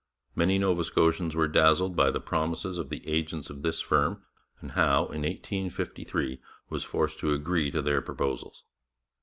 Many Nova Scotians were dazzled by the promises of the agents of this firm, and Howe in 1853 was forced to agree to their proposals.